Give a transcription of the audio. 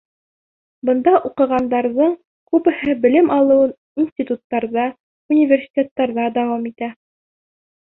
Бында уҡығандарҙың күбеһе белем алыуын институттарҙа, университеттарҙа дауам итә.